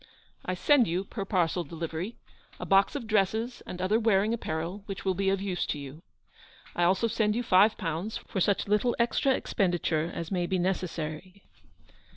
I send you, per parcel delivery, a box of dresses and other wearing apparel, which will be of use to you. I also send you five pounds for such little extra expenditure as may be necessary.